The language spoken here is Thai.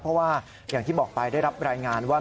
เพราะว่าอย่างที่บอกไปได้รับรายงานว่า